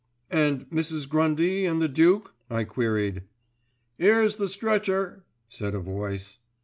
"And Mrs. Grundy and the Duke?" I queried. "'Ere's the stretcher!" said a voice.